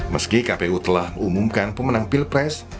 meski kpu telah mengumumkan pemenang pilpres